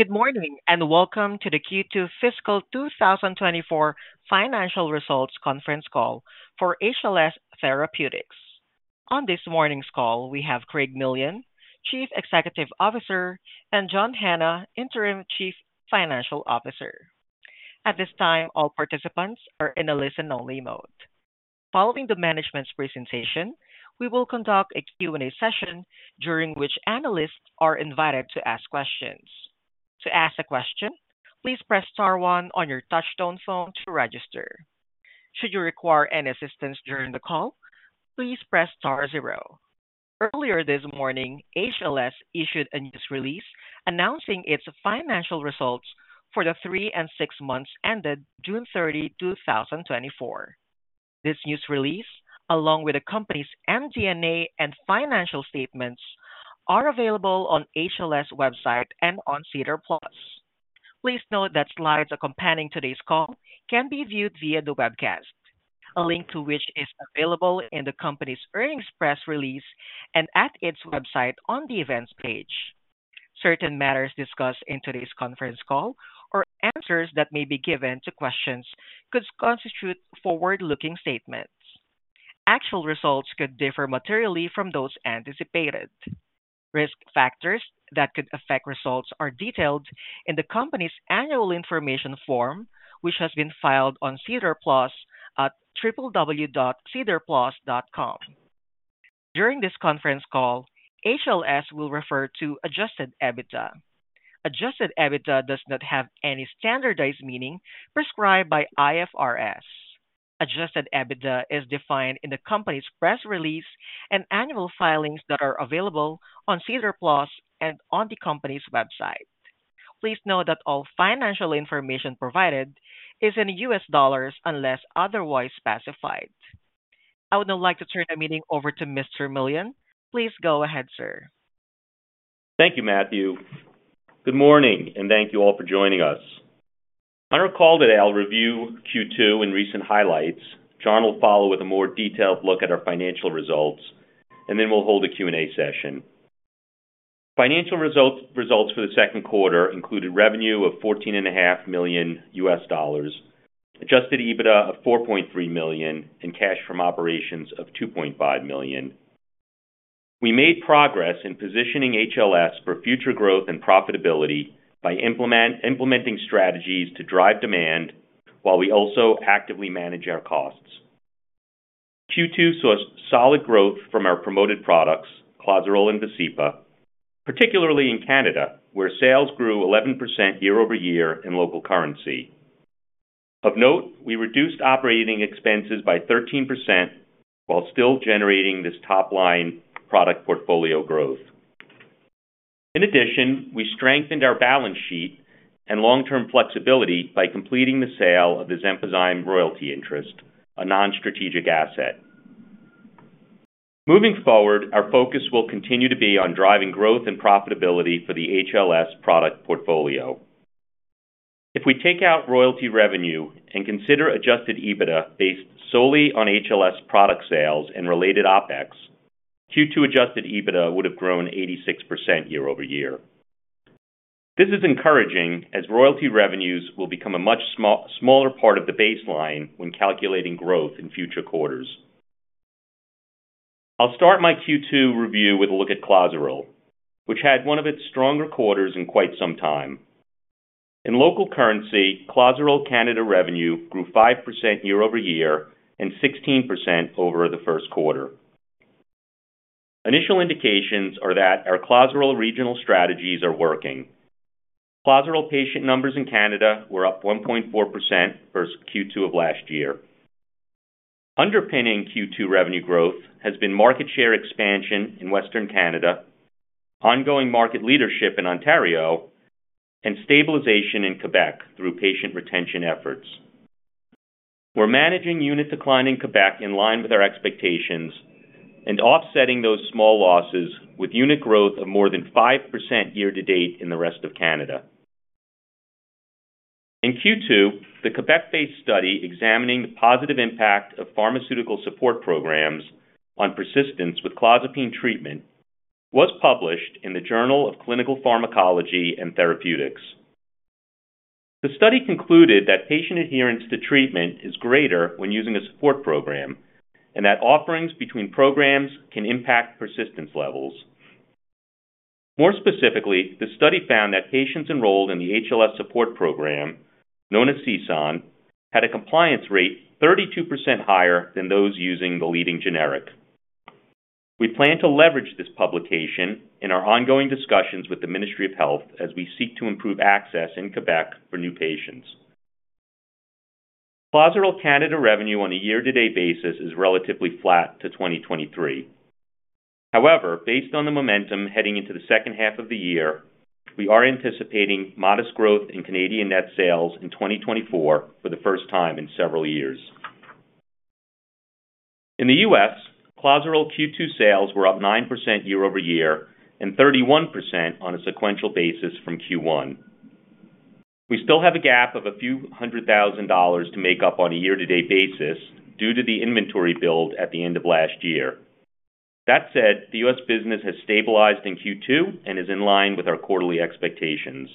Good morning, and welcome to the Q2 Fiscal 2024 Financial Results Conference Call for HLS Therapeutics. On this morning's call, we have Craig Millian, Chief Executive Officer, and John Hanna, Interim Chief Financial Officer. At this time, all participants are in a listen-only mode. Following the management's presentation, we will conduct a Q&A session during which analysts are invited to ask questions. To ask a question, please press star one on your touchtone phone to register. Should you require any assistance during the call, please press star zero. Earlier this morning, HLS issued a news release announcing its financial results for the 3 and 6 months ended June 30, 2024. This news release, along with the company's MD&A and financial statements, are available on HLS website and on SEDAR+. Please note that slides accompanying today's call can be viewed via the webcast, a link to which is available in the company's earnings press release and at its website on the Events page. Certain matters discussed in today's conference call or answers that may be given to questions could constitute forward-looking statements. Actual results could differ materially from those anticipated. Risk factors that could affect results are detailed in the company's annual information form, which has been filed on SEDAR+ at www.sedarplus.com. During this conference call, HLS will refer to Adjusted EBITDA. Adjusted EBITDA does not have any standardized meaning prescribed by IFRS. Adjusted EBITDA is defined in the company's press release and annual filings that are available on SEDAR+ and on the company's website. Please note that all financial information provided is in US dollars, unless otherwise specified. I would now like to turn the meeting over to Mr. Millian. Please go ahead, sir. Thank you, Matthew. Good morning, and thank you all for joining us. On our call today, I'll review Q2 and recent highlights. John will follow with a more detailed look at our financial results, and then we'll hold a Q&A session. Financial results, results for the Q2 included revenue of $14.5 million, adjusted EBITDA of $4.3 million, and cash from operations of $2.5 million. We made progress in positioning HLS for future growth and profitability by implementing strategies to drive demand while we also actively manage our costs. Q2 saw solid growth from our promoted products, Clozaril and Vascepa, particularly in Canada, where sales grew 11% year-over-year in local currency. Of note, we reduced operating expenses by 13% while still generating this top-line product portfolio growth. In addition, we strengthened our balance sheet and long-term flexibility by completing the sale of the Xenpozyme royalty interest, a non-strategic asset. Moving forward, our focus will continue to be on driving growth and profitability for the HLS product portfolio. If we take out royalty revenue and consider Adjusted EBITDA based solely on HLS product sales and related OpEx, Q2 Adjusted EBITDA would have grown 86% year-over-year. This is encouraging as royalty revenues will become a much smaller part of the baseline when calculating growth in future quarters. I'll start my Q2 review with a look at Clozaril, which had one of its stronger quarters in quite some time. In local currency, Clozaril Canada revenue grew 5% year-over-year and 16% over the Q1. Initial indications are that our Clozaril regional strategies are working. Clozaril patient numbers in Canada were up 1.4% versus Q2 of last year. Underpinning Q2 revenue growth has been market share expansion in Western Canada, ongoing market leadership in Ontario, and stabilization in Quebec through patient retention efforts. We're managing unit decline in Quebec in line with our expectations and offsetting those small losses with unit growth of more than 5% year to date in the rest of Canada. In Q2, the Quebec-based study examining the positive impact of pharmaceutical support programs on persistence with clozapine treatment was published in the Journal of Clinical Pharmacology and Therapeutics. The study concluded that patient adherence to treatment is greater when using a support program and that offerings between programs can impact persistence levels. More specifically, the study found that patients enrolled in the HLS support program, known as CSAN, had a compliance rate 32% higher than those using the leading generic. We plan to leverage this publication in our ongoing discussions with the Ministry of Health as we seek to improve access in Quebec for new patients. Clozaril Canada revenue on a year-to-date basis is relatively flat to 2023. However, based on the momentum heading into the second half of the year, we are anticipating modest growth in Canadian net sales in 2024 for the first time in several years. In the US, Clozaril Q2 sales were up 9% year-over-year and 31% on a sequential basis from Q1. We still have a gap of a few $100,000 to make up on a year-to-date basis due to the inventory build at the end of last year. That said, the US business has stabilized in Q2 and is in line with our quarterly expectations.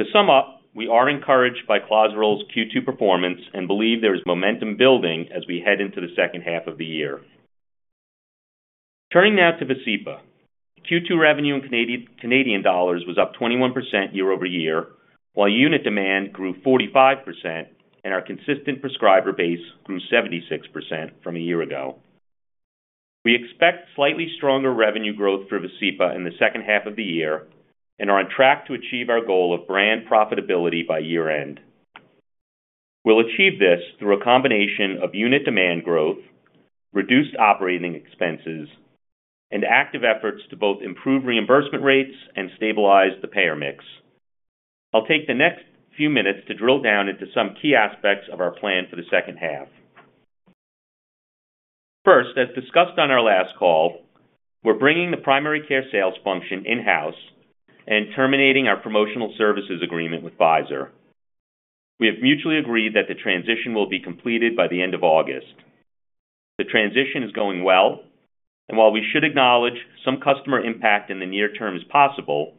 To sum up, we are encouraged by Clozaril's Q2 performance and believe there is momentum building as we head into the second half of the year. Turning now to Vascepa. Q2 revenue in Canadian dollars was up 21% year-over-year, while unit demand grew 45% and our consistent prescriber base grew 76% from a year ago. We expect slightly stronger revenue growth for Vascepa in the second half of the year and are on track to achieve our goal of brand profitability by year-end. We'll achieve this through a combination of unit demand growth, reduced operating expenses, and active efforts to both improve reimbursement rates and stabilize the payer mix. I'll take the next few minutes to drill down into some key aspects of our plan for the second half. First, as discussed on our last call, we're bringing the primary care sales function in-house and terminating our promotional services agreement with Pfizer. We have mutually agreed that the transition will be completed by the end of August. The transition is going well, and while we should acknowledge some customer impact in the near term is possible,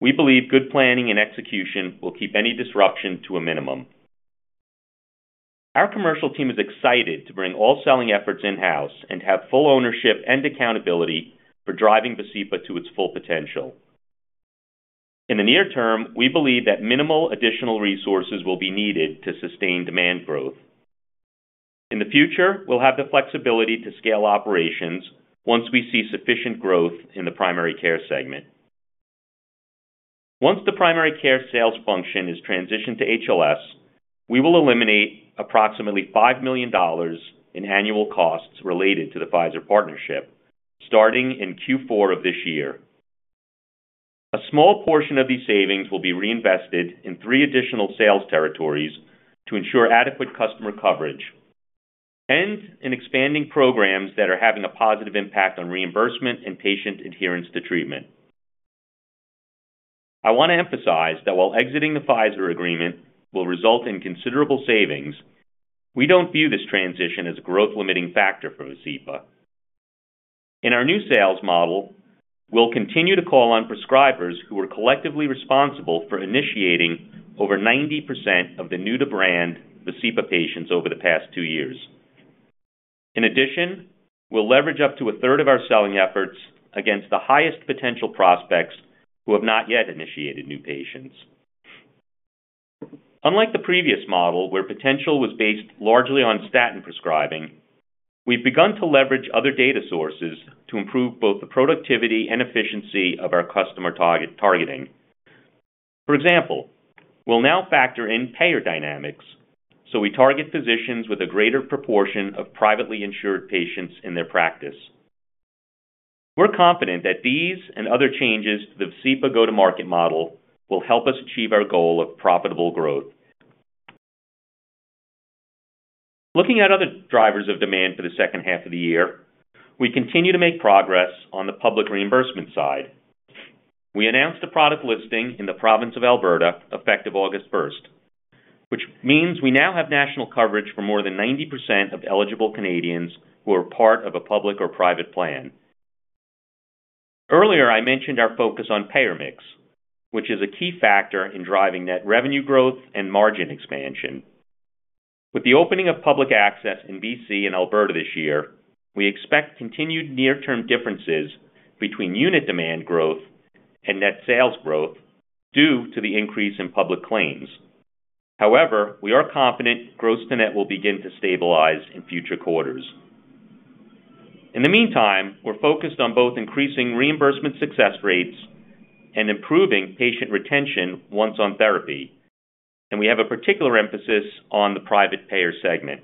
we believe good planning and execution will keep any disruption to a minimum. Our commercial team is excited to bring all selling efforts in-house and have full ownership and accountability for driving Vascepa to its full potential. In the near term, we believe that minimal additional resources will be needed to sustain demand growth. In the future, we'll have the flexibility to scale operations once we see sufficient growth in the primary care segment. Once the primary care sales function is transitioned to HLS, we will eliminate approximately $5 million in annual costs related to the Pfizer partnership, starting in Q4 of this year. A small portion of these savings will be reinvested in three additional sales territories to ensure adequate customer coverage and in expanding programs that are having a positive impact on reimbursement and patient adherence to treatment. I want to emphasize that while exiting the Pfizer agreement will result in considerable savings, we don't view this transition as a growth-limiting factor for Vascepa. In our new sales model, we'll continue to call on prescribers who are collectively responsible for initiating over 90% of the new-to-brand Vascepa patients over the past two years. In addition, we'll leverage up to a third of our selling efforts against the highest potential prospects who have not yet initiated new patients. Unlike the previous model, where potential was based largely on statin prescribing, we've begun to leverage other data sources to improve both the productivity and efficiency of our customer targeting. For example, we'll now factor in payer dynamics, so we target physicians with a greater proportion of privately insured patients in their practice. We're confident that these and other changes to the Vascepa go-to-market model will help us achieve our goal of profitable growth. Looking at other drivers of demand for the second half of the year, we continue to make progress on the public reimbursement side. We announced a product listing in the province of Alberta, effective August first, which means we now have national coverage for more than 90% of eligible Canadians who are part of a public or private plan. Earlier, I mentioned our focus on payer mix, which is a key factor in driving net revenue growth and margin expansion. With the opening of public access in BC and Alberta this year, we expect continued near-term differences between unit demand growth and net sales growth due to the increase in public claims. However, we are confident gross to net will begin to stabilize in future quarters. In the meantime, we're focused on both increasing reimbursement success rates and improving patient retention once on therapy, and we have a particular emphasis on the private payer segment.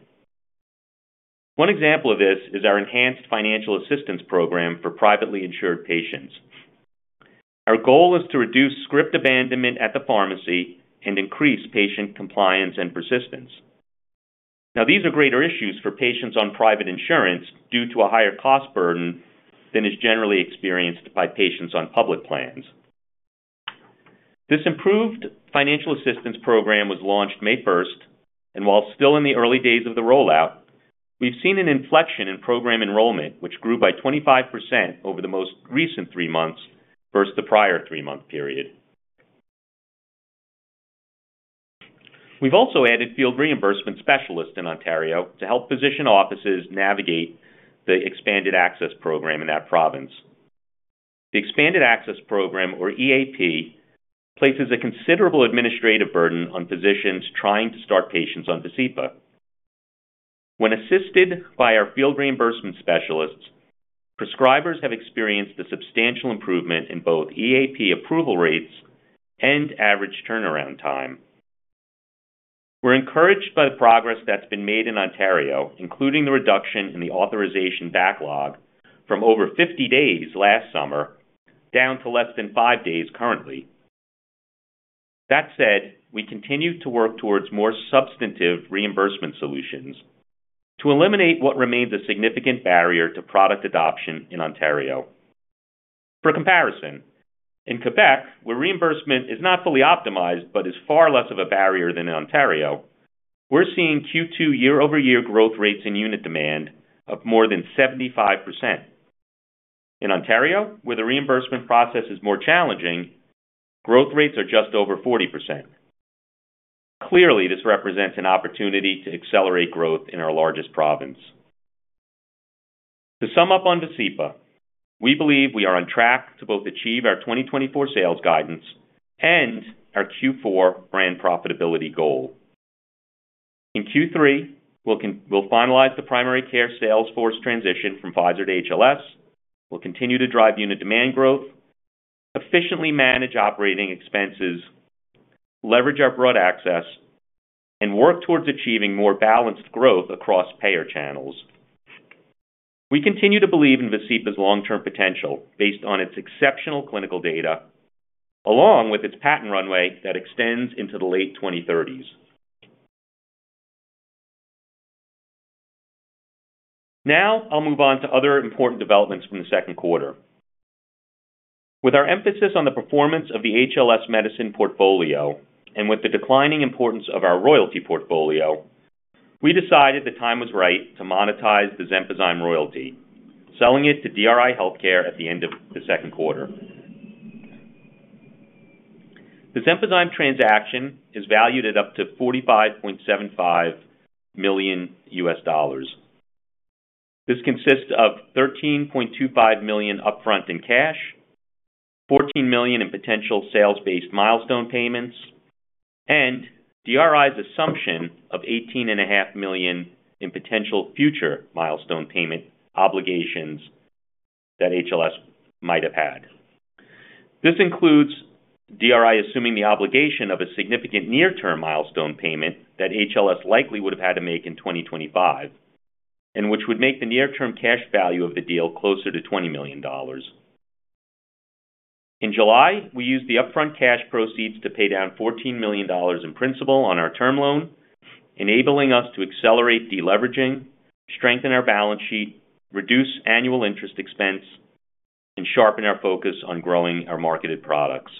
One example of this is our enhanced financial assistance program for privately insured patients. Our goal is to reduce script abandonment at the pharmacy and increase patient compliance and persistence. Now, these are greater issues for patients on private insurance due to a higher cost burden than is generally experienced by patients on public plans. This improved financial assistance program was launched May first, and while still in the early days of the rollout, we've seen an inflection in program enrollment, which grew by 25% over the most recent three months versus the prior three-month period. We've also added field reimbursement specialists in Ontario to help physician offices navigate the Expanded Access Program in that province. The Expanded Access Program, or EAP, places a considerable administrative burden on physicians trying to start patients on Vascepa. When assisted by our field reimbursement specialists, prescribers have experienced a substantial improvement in both EAP approval rates and average turnaround time. We're encouraged by the progress that's been made in Ontario, including the reduction in the authorization backlog from over 50 days last summer down to less than 5 days currently. That said, we continue to work towards more substantive reimbursement solutions to eliminate what remains a significant barrier to product adoption in Ontario. For comparison, in Quebec, where reimbursement is not fully optimized, but is far less of a barrier than in Ontario, we're seeing Q2 year-over-year growth rates in unit demand of more than 75%. In Ontario, where the reimbursement process is more challenging, growth rates are just over 40%. Clearly, this represents an opportunity to accelerate growth in our largest province. To sum up on Vascepa, we believe we are on track to both achieve our 2024 sales guidance and our Q4 brand profitability goal. In Q3, we'll finalize the primary care sales force transition from Pfizer to HLS. We'll continue to drive unit demand growth, efficiently manage operating expenses, leverage our broad access, and work towards achieving more balanced growth across payer channels. We continue to believe in Vascepa's long-term potential based on its exceptional clinical data, along with its patent runway that extends into the late 2030s. Now, I'll move on to other important developments from the Q2. With our emphasis on the performance of the HLS medicine portfolio, and with the declining importance of our royalty portfolio, we decided the time was right to monetize the Xenpozyme royalty, selling it to DRI Healthcare at the end of the Q2. The Xenpozyme transaction is valued at up to $45.75 million. This consists of $13.25 million upfront in cash, $14 million in potential sales-based milestone payments, and DRI's assumption of $18.5 million in potential future milestone payment obligations that HLS might have had. This includes DRI assuming the obligation of a significant near-term milestone payment that HLS likely would have had to make in 2025, and which would make the near-term cash value of the deal closer to $20 million. In July, we used the upfront cash proceeds to pay down $14 million in principal on our term loan, enabling us to accelerate deleveraging, strengthen our balance sheet, reduce annual interest expense, and sharpen our focus on growing our marketed products.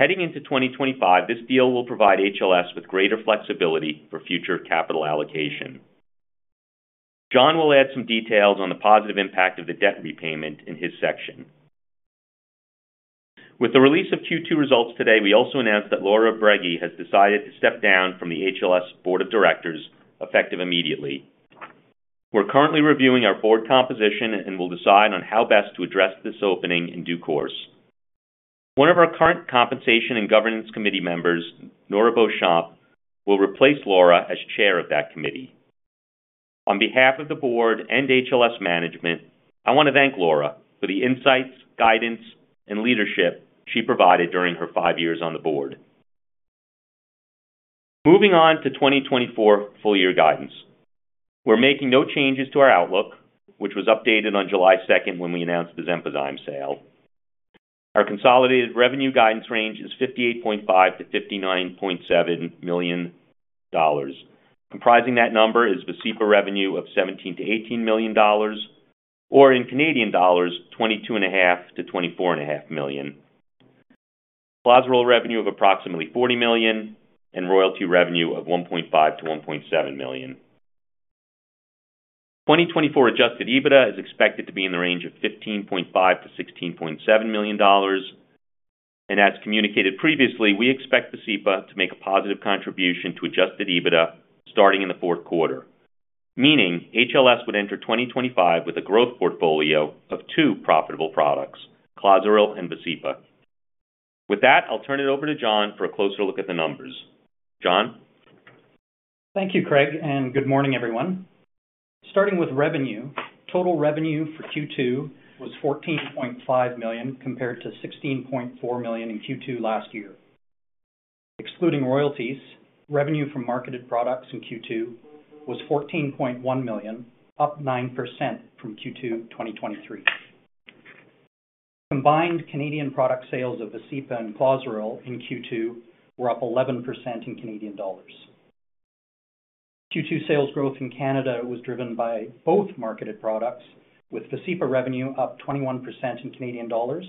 Heading into 2025, this deal will provide HLS with greater flexibility for future capital allocation. John will add some details on the positive impact of the debt repayment in his section. With the release of Q2 results today, we also announced that Laura Brege has decided to step down from the HLS Board of Directors, effective immediately. We're currently reviewing our board composition and will decide on how best to address this opening in due course. One of our current compensation and governance committee members, Nora Beauchamp, will replace Laura as chair of that committee. On behalf of the board and HLS management, I want to thank Laura for the insights, guidance, and leadership she provided during her five years on the board. Moving on to 2024 full year guidance. We're making no changes to our outlook, which was updated on July 2 when we announced the Xenpozyme sale. Our consolidated revenue guidance range is $58.5 million-$59.7 million. Comprising that number is Vascepa revenue of $17 million-$18 million, or in Canadian dollars, 22.5 million-24.5 million. Clozaril revenue of approximately $40 million, and royalty revenue of $1.5 million-$1.7 million. 2024 adjusted EBITDA is expected to be in the range of $15.5 million-$16.7 million, and as communicated previously, we expect Vascepa to make a positive contribution to adjusted EBITDA starting in the Q4, meaning HLS would enter 2025 with a growth portfolio of two profitable products, Clozaril and Vascepa. With that, I'll turn it over to John for a closer look at the numbers. John? Thank you, Craig, and good morning, everyone. Starting with revenue, total revenue for Q2 was $14.5 million, compared to $16.4 million in Q2 last year. Excluding royalties, revenue from marketed products in Q2 was $14.1 million, up 9% from Q2 2023. Combined Canadian product sales of Vascepa and Clozaril in Q2 were up 11% in Canadian dollars. Q2 sales growth in Canada was driven by both marketed products, with Vascepa revenue up 21% in Canadian dollars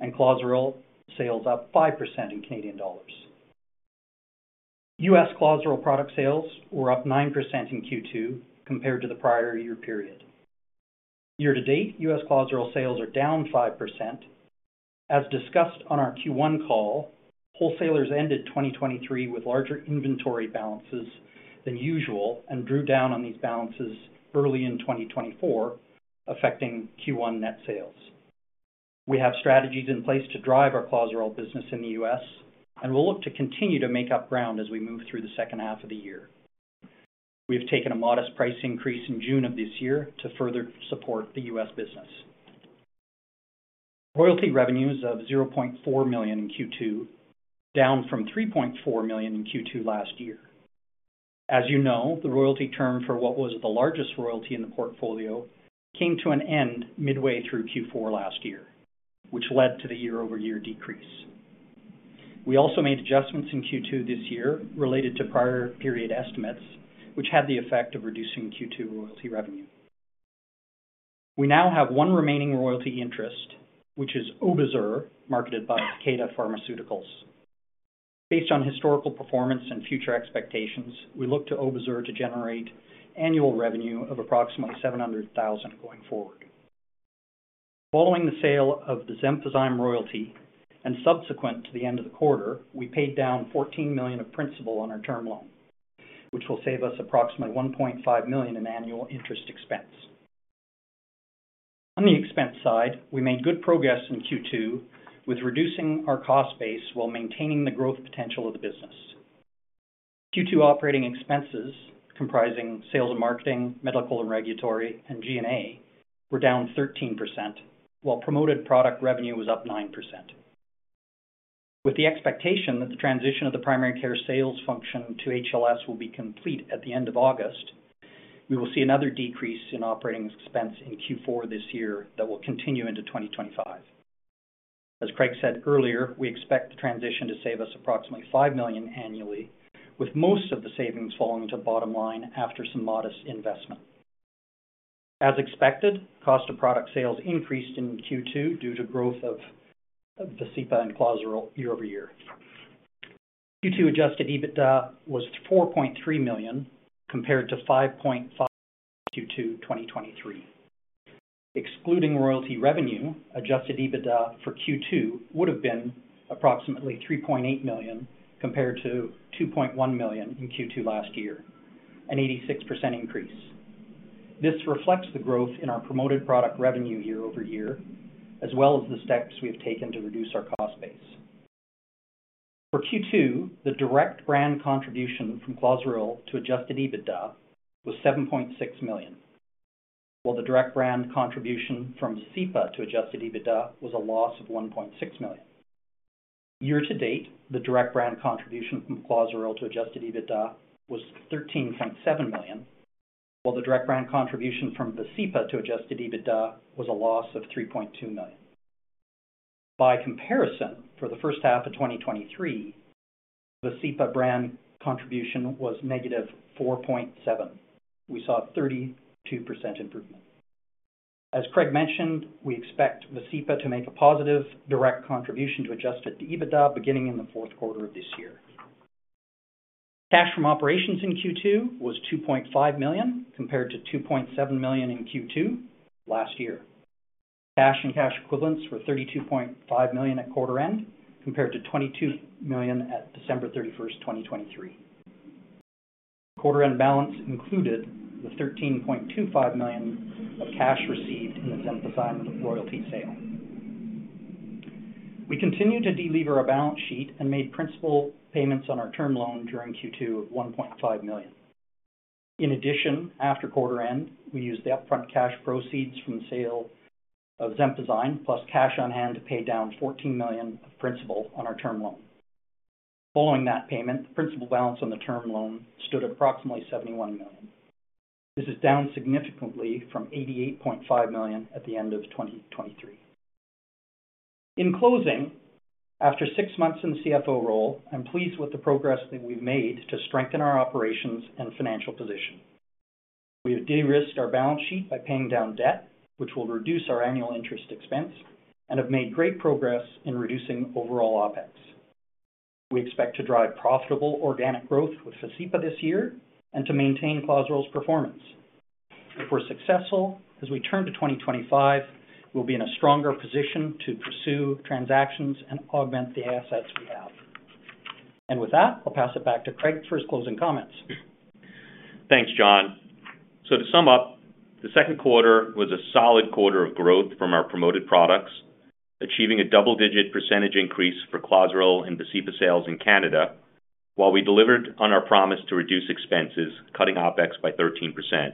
and Clozaril sales up 5% in Canadian dollars. US Clozaril product sales were up 9% in Q2 compared to the prior year period. Year to date, US Clozaril sales are down 5%. As discussed on our Q1 call, wholesalers ended 2023 with larger inventory balances than usual and drew down on these balances early in 2024, affecting Q1 net sales. We have strategies in place to drive our Clozaril business in the U.S., and we'll look to continue to make up ground as we move through the second half of the year. We have taken a modest price increase in June of this year to further support the U.S. business. Royalty revenues of $0.4 million in Q2, down from $3.4 million in Q2 last year. As you know, the royalty term for what was the largest royalty in the portfolio came to an end midway through Q4 last year, which led to the year-over-year decrease. We also made adjustments in Q2 this year related to prior period estimates, which had the effect of reducing Q2 royalty revenue. We now have one remaining royalty interest, which is Obizur, marketed by Takeda Pharmaceuticals. Based on historical performance and future expectations, we look to Obizur to generate annual revenue of approximately $700,000 going forward. Following the sale of the Xenpozyme royalty and subsequent to the end of the quarter, we paid down $14 million of principal on our term loan, which will save us approximately $1.5 million in annual interest expense. On the expense side, we made good progress in Q2 with reducing our cost base while maintaining the growth potential of the business. Q2 operating expenses, comprising sales and marketing, medical and regulatory and G&A, were down 13%, while promoted product revenue was up 9%. With the expectation that the transition of the primary care sales function to HLS will be complete at the end of August, we will see another decrease in operating expense in Q4 this year that will continue into 2025. As Craig said earlier, we expect the transition to save us approximately $5 million annually, with most of the savings falling to bottom line after some modest investment. As expected, cost of product sales increased in Q2 due to growth of Vascepa and Clozaril year-over-year. Q2 Adjusted EBITDA was $4.3 million, compared to $5.5 million Q2 2023. Excluding royalty revenue, Adjusted EBITDA for Q2 would have been approximately $3.8 million, compared to $2.1 million in Q2 last year, an 86% increase. This reflects the growth in our promoted product revenue year-over-year, as well as the steps we have taken to reduce our cost base. For Q2, the direct brand contribution from Clozaril to Adjusted EBITDA was $7.6 million, while the direct brand contribution from Vascepa to Adjusted EBITDA was a loss of $1.6 million. Year to date, the direct brand contribution from Clozaril to Adjusted EBITDA was $13.7 million, while the direct brand contribution from Vascepa to Adjusted EBITDA was a loss of $3.2 million. By comparison, for the first half of 2023, Vascepa brand contribution was negative $4.7 million. We saw a 32% improvement. As Craig mentioned, we expect Vascepa to make a positive direct contribution to Adjusted EBITDA beginning in the Q4 of this year. Cash from operations in Q2 was $2.5 million, compared to $2.7 million in Q2 last year. Cash and cash equivalents were $32.5 million at quarter end, compared to $22 million at December 31, 2023. Quarter end balance included the $13.25 million of cash received in the Xenpozyme royalty sale. We continued to delever our balance sheet and made principal payments on our term loan during Q2 of $1.5 million. In addition, after quarter end, we used the upfront cash proceeds from the sale of Xenpozyme, plus cash on hand to pay down $14 million of principal on our term loan. Following that payment, the principal balance on the term loan stood at approximately $71 million. This is down significantly from $88.5 million at the end of 2023. In closing, after six months in the CFO role, I'm pleased with the progress that we've made to strengthen our operations and financial position. We have de-risked our balance sheet by paying down debt, which will reduce our annual interest expense, and have made great progress in reducing overall OpEx. We expect to drive profitable organic growth with Vascepa this year and to maintain Clozaril's performance. If we're successful, as we turn to 2025, we'll be in a stronger position to pursue transactions and augment the assets we have. And with that, I'll pass it back to Craig for his closing comments. Thanks, John. So to sum up, the Q2 was a solid quarter of growth from our promoted products, achieving a double-digit % increase for Clozaril and Vascepa sales in Canada, while we delivered on our promise to reduce expenses, cutting OpEx by 13%.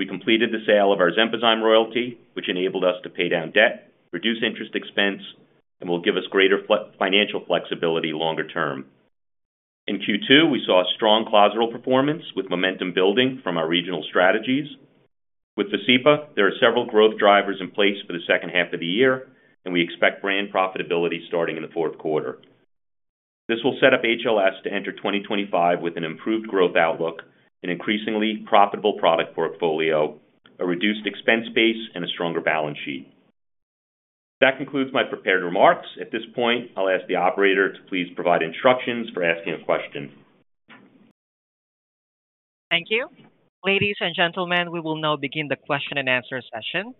We completed the sale of our Xenpozyme royalty, which enabled us to pay down debt, reduce interest expense, and will give us greater financial flexibility longer term. In Q2, we saw strong Clozaril performance with momentum building from our regional strategies. With Vascepa, there are several growth drivers in place for the second half of the year, and we expect brand profitability starting in the Q4. This will set up HLS to enter 2025 with an improved growth outlook, an increasingly profitable product portfolio, a reduced expense base, and a stronger balance sheet. That concludes my prepared remarks. At this point, I'll ask the operator to please provide instructions for asking a question. Thank you. Ladies and gentlemen, we will now begin the question and answer session.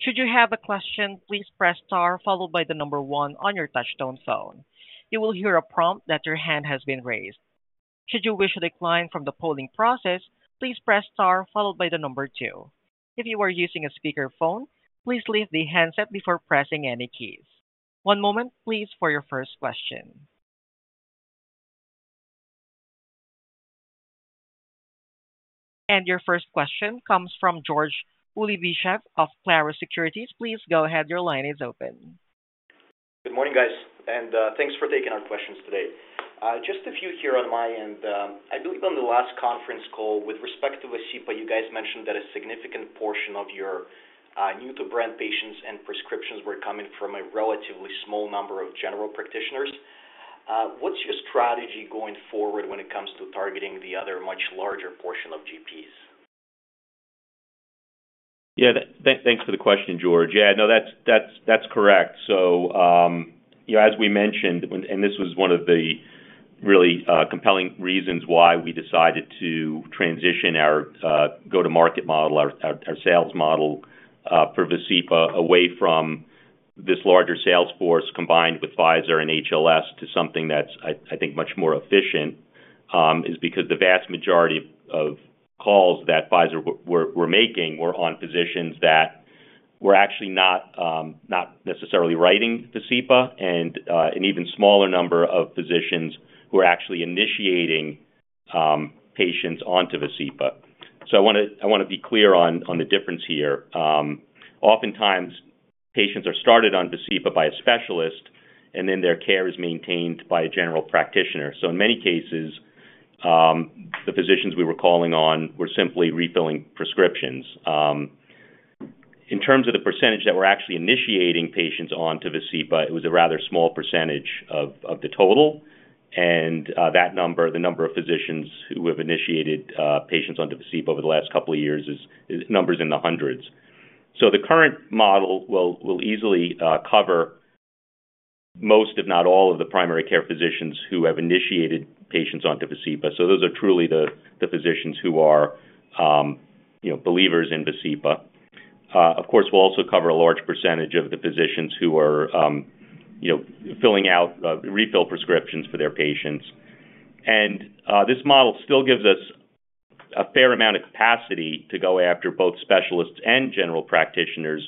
Should you have a question, please press star followed by the number one on your touchtone phone. You will hear a prompt that your hand has been raised. Should you wish to decline from the polling process, please press star followed by the number two. If you are using a speakerphone, please leave the handset before pressing any keys. One moment, please, for your first question. And your first question comes from George Ulybyshev of Clarus Securities. Please go ahead, your line is open. Good morning, guys, and thanks for taking our questions today. Just a few here on my end. I believe on the last conference call with respect to Vascepa, you guys mentioned that a significant portion of your new-to-brand patients and prescriptions were coming from a relatively small number of general practitioners. What's your strategy going forward when it comes to targeting the other much larger portion of GPs? Yeah, thanks for the question, George. Yeah, no, that's, that's, that's correct. So, you know, as we mentioned, and this was one of the really compelling reasons why we decided to transition our go-to-market model, our sales model, for Vascepa, away from this larger sales force, combined with Pfizer and HLS, to something that's, I think, much more efficient, is because the vast majority of calls that Pfizer were making were on physicians that were actually not necessarily writing Vascepa, and an even smaller number of physicians who are actually initiating patients onto Vascepa. So I wanna be clear on the difference here. Oftentimes, patients are started on Vascepa by a specialist, and then their care is maintained by a general practitioner. So in many cases, the physicians we were calling on were simply refilling prescriptions. In terms of the percentage that were actually initiating patients onto Vascepa, it was a rather small percentage of the total. And that number, the number of physicians who have initiated patients onto Vascepa over the last couple of years, is numbers in the hundreds. So the current model will easily cover most, if not all, of the primary care physicians who have initiated patients onto Vascepa, so those are truly the physicians who are, you know, believers in Vascepa. Of course, we'll also cover a large percentage of the physicians who are, you know, filling out refill prescriptions for their patients. This model still gives us a fair amount of capacity to go after both specialists and general practitioners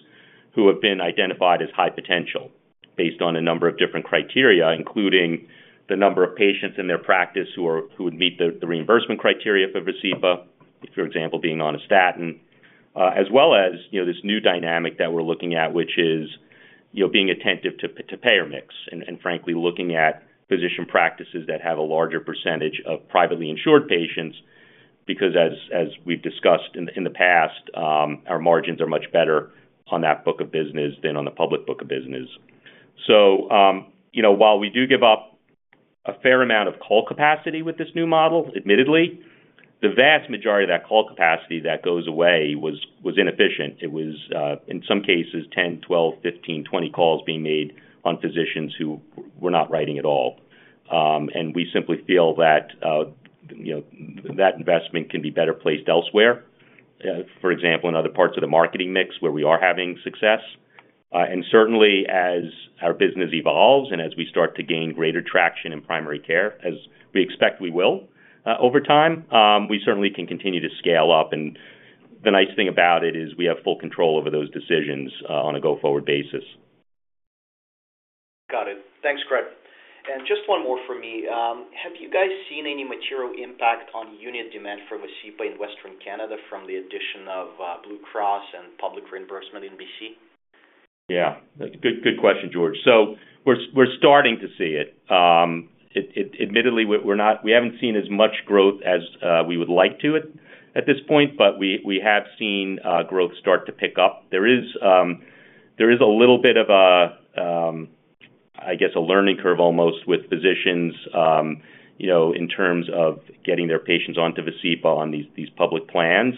who have been identified as high potential, based on a number of different criteria, including the number of patients in their practice who would meet the reimbursement criteria for Vascepa, for example, being on a statin. As well as, you know, this new dynamic that we're looking at, which is, you know, being attentive to payer mix, and frankly, looking at physician practices that have a larger percentage of privately insured patients, because as we've discussed in the past, our margins are much better on that book of business than on the public book of business. You know, while we do give up a fair amount of call capacity with this new model, admittedly, the vast majority of that call capacity that goes away was inefficient. It was, in some cases, 10, 12, 15, 20 calls being made on physicians who were not writing at all. And we simply feel that, you know, that investment can be better placed elsewhere, for example, in other parts of the marketing mix where we are having success. And certainly, as our business evolves and as we start to gain greater traction in primary care, as we expect we will, over time, we certainly can continue to scale up, and the nice thing about it is we have full control over those decisions, on a go-forward basis. Got it. Thanks, Craig. And just one more for me. Have you guys seen any material impact on unit demand for Vascepa in Western Canada from the addition of Blue Cross and public reimbursement in BC? Yeah, good, good question, George. So we're starting to see it. It admittedly, we're not... We haven't seen as much growth as we would like to at this point, but we have seen growth start to pick up. There is a little bit of a, I guess, a learning curve almost with physicians, you know, in terms of getting their patients onto Vascepa on these public plans.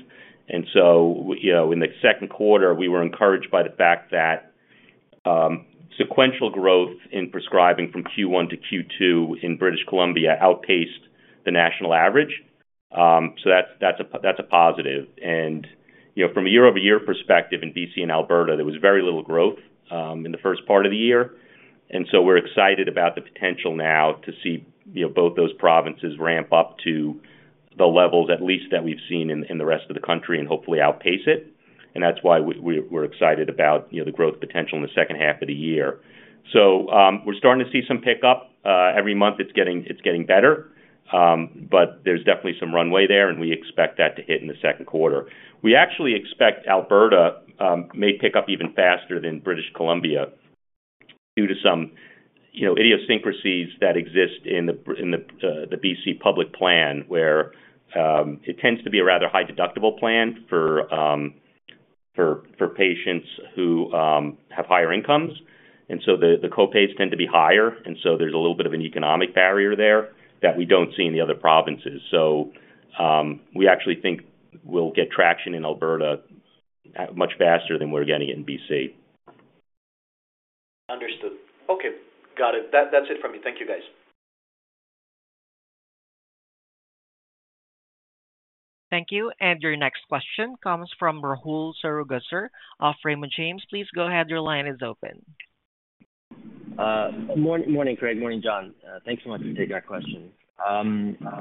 And so, you know, in the Q2, we were encouraged by the fact that sequential growth in prescribing from Q1 to Q2 in British Columbia outpaced the national average. So that's a positive. And, you know, from a year-over-year perspective in BC and Alberta, there was very little growth in the first part of the year. And so we're excited about the potential now to see, you know, both those provinces ramp up to the levels at least that we've seen in the rest of the country and hopefully outpace it. And that's why we're excited about, you know, the growth potential in the second half of the year. So, we're starting to see some pickup. Every month, it's getting better. But there's definitely some runway there, and we expect that to hit in the Q2. We actually expect Alberta may pick up even faster than British Columbia due to some, you know, idiosyncrasies that exist in the BC public plan, where it tends to be a rather high-deductible plan for patients who have higher incomes. The copays tend to be higher, and so there's a little bit of an economic barrier there that we don't see in the other provinces. We actually think we'll get traction in Alberta much faster than we're getting in BC. Understood. Okay, got it. That's it from me. Thank you, guys. Thank you. And your next question comes from Rahul Sarugaser of Raymond James. Please go ahead. Your line is open. Morning, morning, Craig. Morning, John. Thanks so much for taking our question.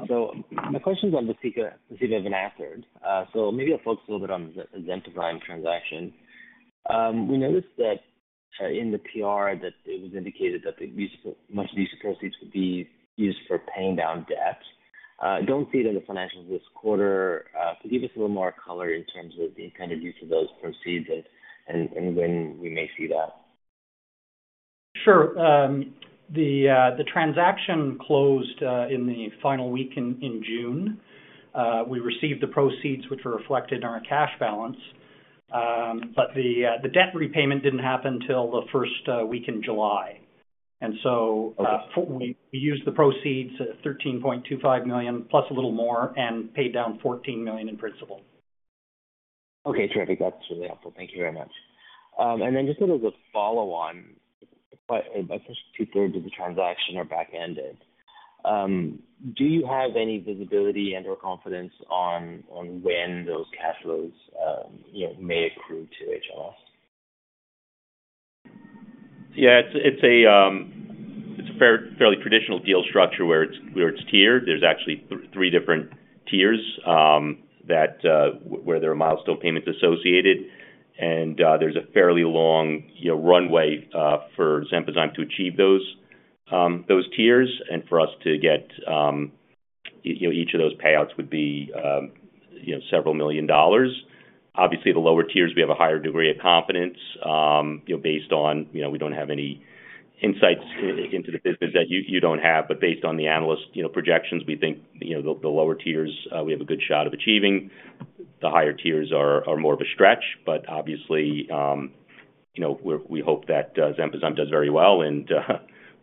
So, my question's on Vascepa, Vascepa and Amarin. So maybe I'll focus a little bit on the Xenpozyme transaction. We noticed that, in the PR, that it was indicated that the much-needed proceeds would be used for paying down debt. Don't see it in the financials this quarter. Could you give us a little more color in terms of the kind of use of those proceeds and, and when we may see that? Sure. The transaction closed in the final week in June. We received the proceeds, which were reflected in our cash balance, but the debt repayment didn't happen till the first week in July. And so, we used the proceeds, $13.25 million, plus a little more, and paid down $14 million in principal. Okay, terrific. That's really helpful. Thank you very much. And then just sort of a follow on, but I guess two-thirds of the transaction are back-ended. Do you have any visibility and/or confidence on, on when those cash flows, you know, may accrue to HLS? Yeah, it's a fairly traditional deal structure where it's tiered. There's actually three different tiers that where there are milestone payments associated, and there's a fairly long, you know, runway for Xenpozyme to achieve those tiers and for us to get you know, each of those payouts would be you know, several million dollars. Obviously, the lower tiers, we have a higher degree of confidence you know, based on you know, we don't have any insights into the business that you don't have. But based on the analyst you know, projections, we think you know, the lower tiers we have a good shot of achieving. The higher tiers are more of a stretch, but obviously, you know, we hope that Xenpozyme does very well, and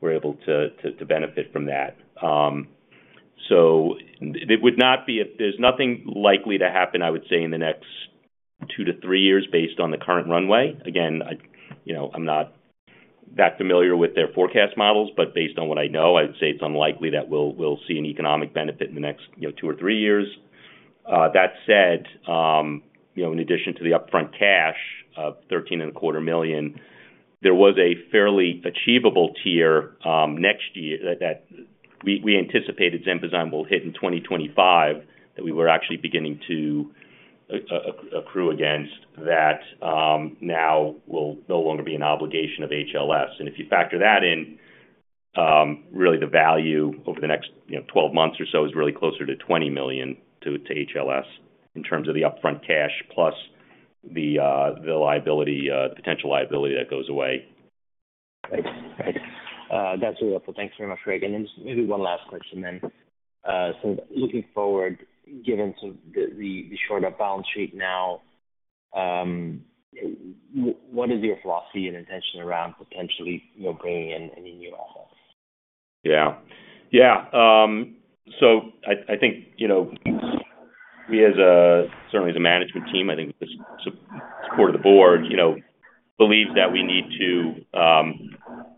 we're able to benefit from that. So it would not be... if there's nothing likely to happen, I would say, in the next two to three years based on the current runway. Again, I, you know, I'm not that familiar with their forecast models, but based on what I know, I'd say it's unlikely that we'll see an economic benefit in the next, you know, two or three years. That said, you know, in addition to the upfront cash of $13.25 million, there was a fairly achievable tier next year that we anticipated Xenpozyme will hit in 2025, that we were actually beginning to accrue against, that now will no longer be an obligation of HLS. And if you factor that in, really the value over the next, you know, 12 months or so is really closer to $20 million to HLS in terms of the upfront cash plus the liability, potential liability that goes away. Right. Right. That's really helpful. Thanks very much, Craig. And just maybe one last question then. So looking forward, given the shorter balance sheet now, what is your philosophy and intention around potentially, you know, bringing in any new offers? Yeah. Yeah. So I think, you know, we as a certainly as a management team, I think the support of the board, you know, believes that we need to,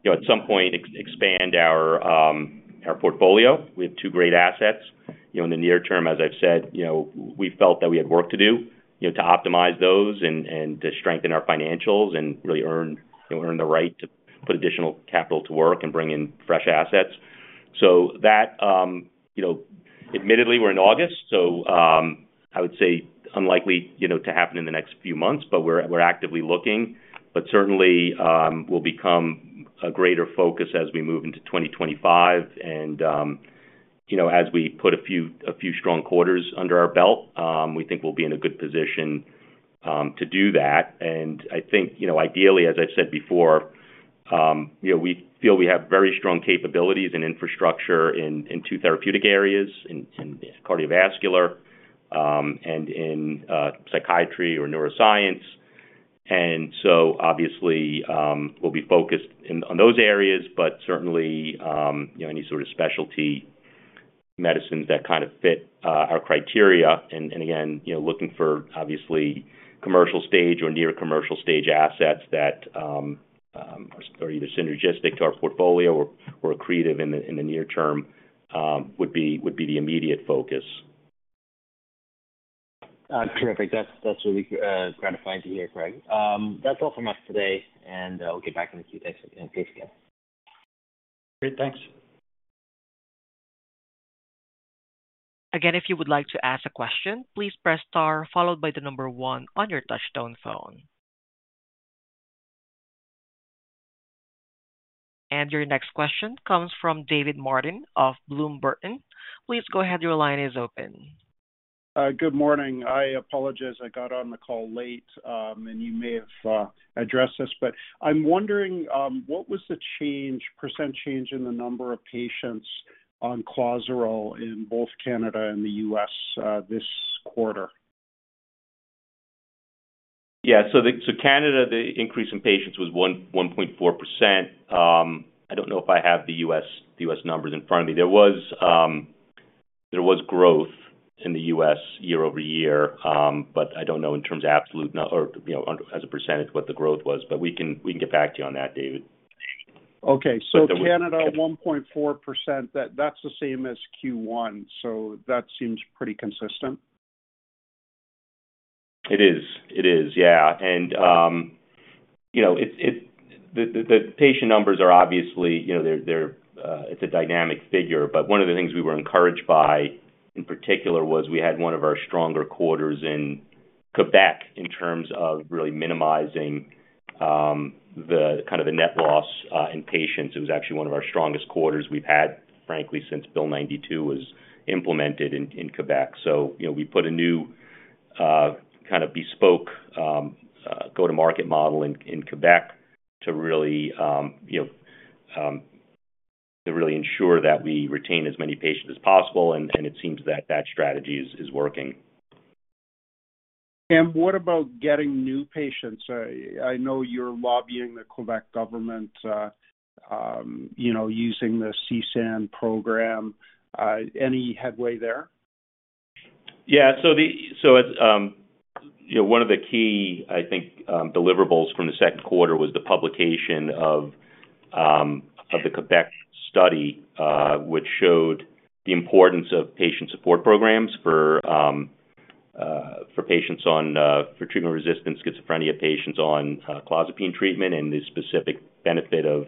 you know, at some point, expand our our portfolio. We have two great assets. You know, in the near term, as I've said, you know, we felt that we had work to do, you know, to optimize those and to strengthen our financials and really earn, you know, earn the right to put additional capital to work and bring in fresh assets. So that, you know, admittedly, we're in August, so I would say unlikely, you know, to happen in the next few months, but we're we're actively looking, but certainly will become a greater focus as we move into 2025. You know, as we put a few strong quarters under our belt, we think we'll be in a good position to do that. And I think, you know, ideally, as I've said before, you know, we feel we have very strong capabilities and infrastructure in two therapeutic areas, in cardiovascular and in psychiatry or neuroscience. And so obviously, we'll be focused on those areas, but certainly, you know, any sort of specialty medicines that kind of fit our criteria. And again, you know, looking for obviously commercial stage or near commercial stage assets that are either synergistic to our portfolio or accretive in the near term would be the immediate focus. Terrific. That's, that's really gratifying to hear, Craig. That's all from us today, and we'll get back in the queue. Thanks again. Great. Thanks. Again, if you would like to ask a question, please press star followed by the number one on your touchtone phone. And your next question comes from David Martin of Bloom Burton. Please go ahead. Your line is open. Good morning. I apologize. I got on the call late, and you may have addressed this, but I'm wondering, what was the change, percent change in the number of patients on Clozaril in both Canada and the U.S., this quarter? Yeah. So Canada, the increase in patients was 1.4%. I don't know if I have the U.S. numbers in front of me. There was growth in the U.S. year-over-year, but I don't know in terms of absolute nu- or, you know, under, as a percentage, what the growth was, but we can get back to you on that, David. Okay. But there was- Canada, 1.4%, that, that's the same as Q1, so that seems pretty consistent? It is. It is, yeah. And, you know, the patient numbers are obviously, you know, they're, it's a dynamic figure, but one of the things we were encouraged by, in particular, was we had one of our stronger quarters in Quebec, in terms of really minimizing the kind of the net loss in patients. It was actually one of our strongest quarters we've had, frankly, since Bill 92 was implemented in Quebec. So, you know, we put a new kind of bespoke go-to-market model in Quebec to really, you know, to really ensure that we retain as many patients as possible, and it seems that that strategy is working. What about getting new patients? I know you're lobbying the Quebec government, you know, using the CSAN program. Any headway there? Yeah. So it's, you know, one of the key, I think, deliverables from the Q2 was the publication of the Quebec study, which showed the importance of patient support programs for treatment-resistant schizophrenia patients on clozapine treatment and the specific benefit of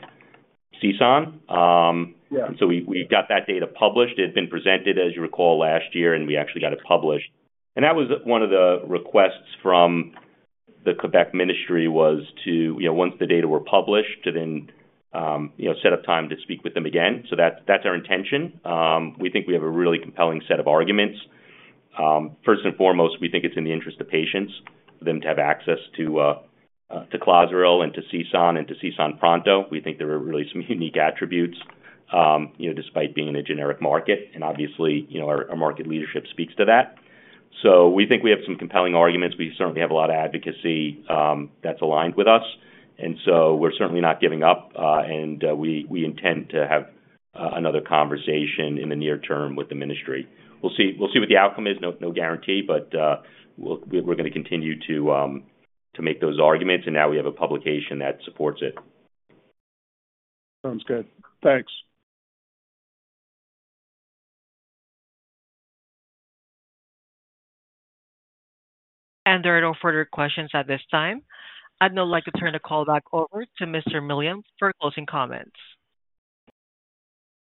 CSAN. Yeah. So we got that data published. It had been presented, as you recall, last year, and we actually got it published. And that was one of the requests from the Quebec ministry was to, you know, once the data were published, to then, you know, set up time to speak with them again. So that's, that's our intention. We think we have a really compelling set of arguments. First and foremost, we think it's in the interest of patients for them to have access to Clozaril and to CSAN and to CSAN Pronto. We think there are really some unique attributes, you know, despite being in a generic market, and obviously, you know, our market leadership speaks to that. So we think we have some compelling arguments. We certainly have a lot of advocacy that's aligned with us, and so we're certainly not giving up, and we intend to have another conversation in the near term with the ministry. We'll see, we'll see what the outcome is. No, no guarantee, but we're gonna continue to make those arguments, and now we have a publication that supports it. Sounds good. Thanks. There are no further questions at this time. I'd now like to turn the call back over to Mr. Millian for closing comments.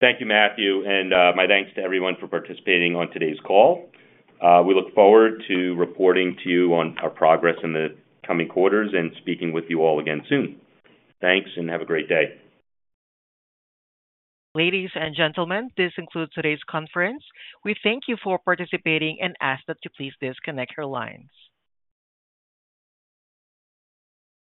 Thank you, Matthew, and, my thanks to everyone for participating on today's call. We look forward to reporting to you on our progress in the coming quarters and speaking with you all again soon. Thanks, and have a great day. Ladies and gentlemen, this concludes today's conference. We thank you for participating and ask that you please disconnect your lines.